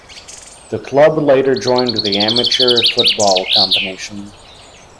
The club later joined the Amateur Football Combination.